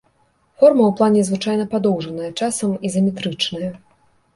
Форма ў плане звычайна падоўжаная, часам ізаметрычная.